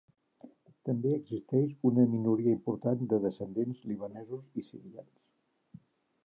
També existeix una minoria important de descendents libanesos i sirians.